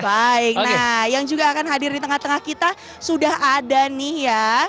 baik nah yang juga akan hadir di tengah tengah kita sudah ada nih ya